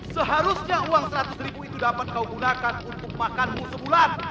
seharusnya uang seratus ribu itu dapat kau gunakan untuk makanmu sebulan